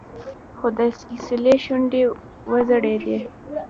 خو د سلسلې شونډې وځړېدې.